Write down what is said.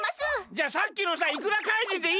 じゃあさっきのさいくら怪人でいいよ